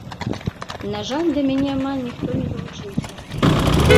На жаль, да мяне амаль ніхто не далучыўся.